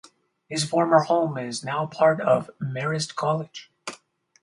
His former home is now part of Marist College.